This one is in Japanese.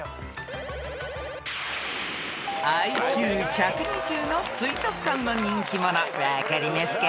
［ＩＱ１２０の水族館の人気者分かりますか？］